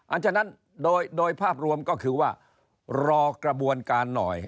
ฉะนั้นโดยภาพรวมก็คือว่ารอกระบวนการหน่อย